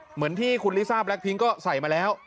เหมือนที่คุณลิซ่าแล็คพิ้งก็ใส่มาแล้ว